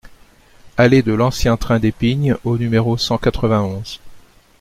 Allée de l'Ancien Train des Pignes au numéro cent quatre-vingt-onze